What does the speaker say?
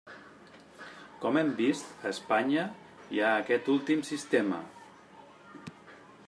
Com hem vist, a Espanya hi ha aquest últim sistema.